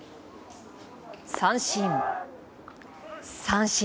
三振、三振！